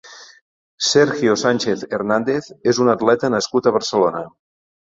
Sergio Sánchez Hernández és un atleta nascut a Barcelona.